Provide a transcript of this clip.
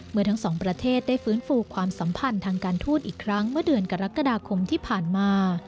เมื่อทั้งสองประเทศได้ฟื้นฟูความสัมพันธ์ทางการทูตอีกครั้งเมื่อเดือนกรกฎาคมที่ผ่านมา